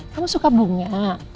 kamu suka bunga